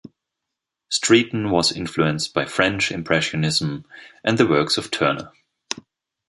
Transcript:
Streeton was influenced by French Impressionism and the works of Turner.